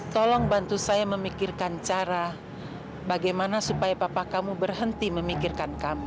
tolong bantu saya memikirkan cara bagaimana supaya papa kamu berhenti memikirkan kamu